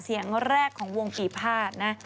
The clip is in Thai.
เสียงแรกของวงผีพาดนะ